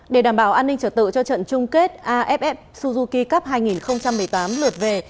để đảm bảo an ninh trở tự cho trận chung kết aff suzuki cup hai nghìn một mươi tám lượt về